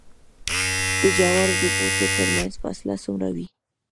د جوارو د بوټو ترمنځ فاصله څومره وي؟